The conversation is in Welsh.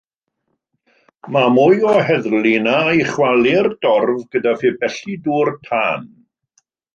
Mae mwy o heddlu yno i chwalu'r dorf gyda phibelli dŵr tân.